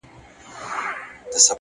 صادق زړه له دروغو دروند نه وي!